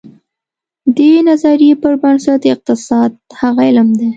د دې نظریې پر بنسټ اقتصاد هغه علم دی.